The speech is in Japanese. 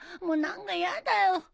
もう何かやだよ。